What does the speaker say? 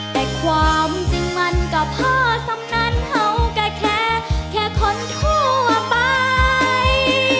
แต่ความจริงมันก็พอสำนั้นเขาก็แค่แค่คนทั่วไป